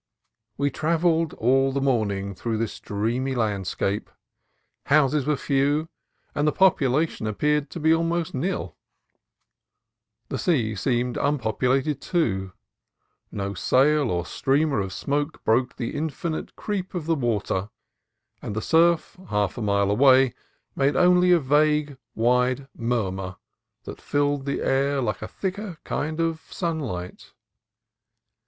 We travelled all the morning through this dreamy landscape. Houses were few, and population ap peared to be almost nil. The sea seemed unpopu lated, too; no sail or streamer of smoke broke the infinite creep of the water, and the surf, half a mile away, made only a vague, wide murmur, that filled the air like a thicker kind of sunlight.